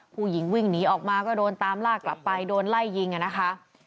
ผู้หญิงวิ่งหนีออกมาก็โดนตามลากกลับไปโดนไล่ยิงอ่ะนะคะ